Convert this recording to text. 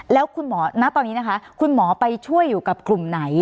แล้วคุณหมอณตอนนี้นะคะคุณหมอไปช่วยอยู่กับกลุ่มไหน